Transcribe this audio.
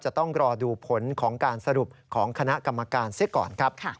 จะต้องรอดูผลของการสรุปของคณะกรรมการเสียก่อนครับ